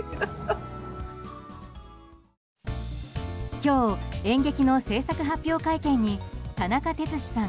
今日、演劇の製作発表会見に田中哲司さん